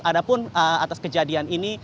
adapun atas kejadian ini